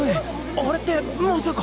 あれってまさか？